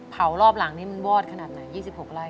รอบหลังนี้มันวอดขนาดไหน๒๖ไร่